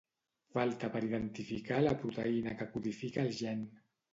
Falta per identificar la proteïna que codifica el gen.